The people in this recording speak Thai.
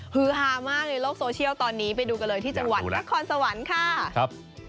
ฮือฮามากในโลกโซเชียลตอนนี้ไปดูกันเลยที่จังหวัดนครสวรรค์ค่ะครับ